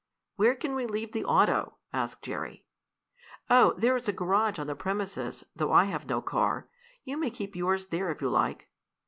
"Where can we leave the auto?" asked Jerry. "Oh, there is a garage on the premises, though I have no car. You may keep yours there if you like."